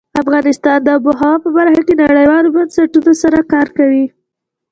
افغانستان د آب وهوا په برخه کې نړیوالو بنسټونو سره کار کوي.